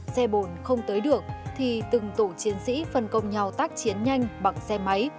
xe bồn không tới được thì từng tổ chiến sĩ phân công nhau tác chiến nhanh bằng xe máy